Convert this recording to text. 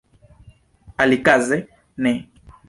Alikaze ne.